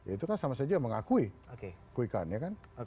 itu kan sama saja mengakui quick count ya kan